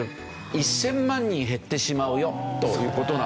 １０００万人減ってしまうよという事なんですよ。